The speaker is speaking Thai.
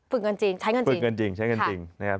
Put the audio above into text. ฝึกเงินจริงใช้เงินจริงใช้เงินจริงนะครับ